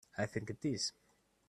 I think it is.